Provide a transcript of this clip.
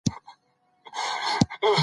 دا لوستل له هغې ګټور دي.